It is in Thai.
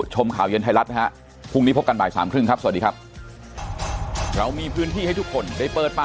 ชมข่าวเย็นไทยรัฐนะครับ